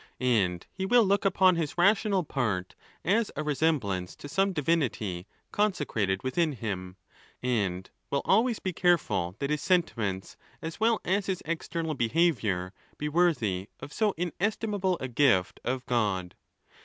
And he will look upon his rational part as a resemblance to some divinity consecrated within him, and will always be careful that his sentiments as well as his external behaviour be worthy of so inestimable a gift of God.